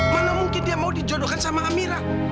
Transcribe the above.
mana mungkin dia mau dijodohkan sama amira